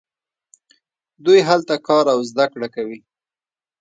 دوی هلته کار او زده کړه کوي.